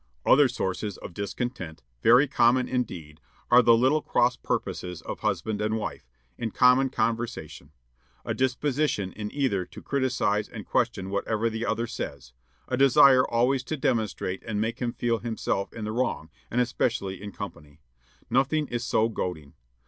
"Other sources of discontent, very common indeed, are the little cross purposes of husband and wife, in common conversation; a disposition in either to criticise and question whatever the other says; a desire always to demonstrate and make him feel himself in the wrong, and especially in company. Nothing is so goading.